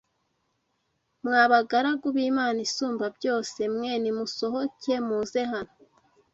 mwa bagaragu b’Imana Isumbabyose mwe nimusohoke muze hano